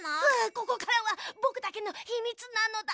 ここからはぼくだけのひみつなのだ！